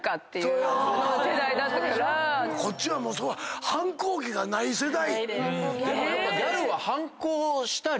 こっちはもう反抗期がない世代。